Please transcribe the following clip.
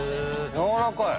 やわらかい。